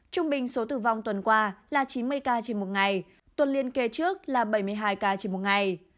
trung bình số tử vong tuần qua là chín mươi ca trên một ngày tuần liên kề trước là bảy mươi hai ca trên một ngày